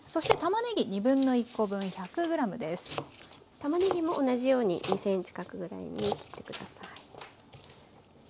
たまねぎも同じように２ｃｍ角ぐらいに切って下さい。